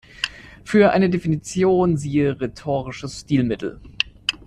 Für eine Definition siehe rhetorisches Stilmittel.